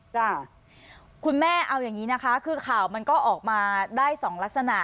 คุณแม่เอาอย่างนี้นะคะคือข่าวมันก็ออกมาได้สองลักษณะ